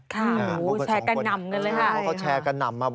ค่ะโอ้โฮแชร์กันหนำกันเลยนะครับเพราะเขาแชร์กันหนำมา